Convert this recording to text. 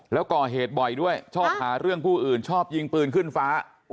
แล้วก่อเหตุบ่อยด้วยชอบหาเรื่องผู้อื่นชอบยิงปืนขึ้นฟ้า